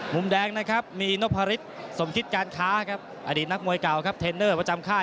มุมแดงนะครับมีนพฤษสมคิดการค้าครับอดีตนักมวยเก่าครับเทรนเนอร์ประจำค่าย